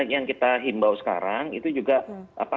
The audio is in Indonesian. yang kita himbau sekarang itu juga apa